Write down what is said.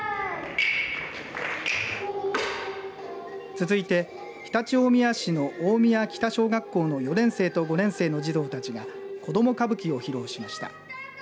続いて常陸大宮市の大宮北小学校の４年生と５年生の児童たちが子ども歌舞伎を披露しました。